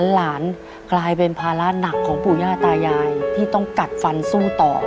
หลานกลายเป็นภาระหนักของปู่ย่าตายายที่ต้องกัดฟันสู้ต่อ